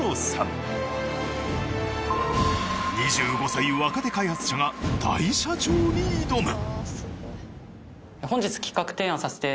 ２５歳若手開発者が大社長に挑む！